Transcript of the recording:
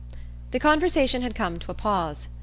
The conversation had come to a pause.